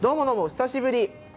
久しぶり！